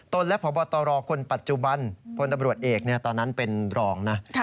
และพบตรคนปัจจุบันพลตำรวจเอกตอนนั้นเป็นรองนะ